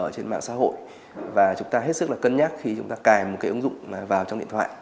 ở trên mạng xã hội và chúng ta hết sức là cân nhắc khi chúng ta cài một cái ứng dụng vào trong điện thoại